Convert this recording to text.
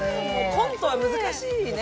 コントは難しいね。